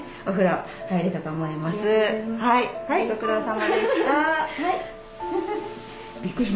はいご苦労さまでした。